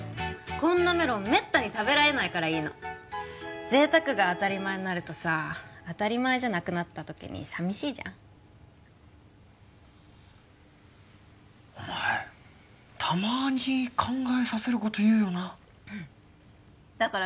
こんなメロンめったに食べられないからいいの贅沢が当たり前になるとさ当たり前じゃなくなった時に寂しいじゃんお前たまに考えさせること言うよなだから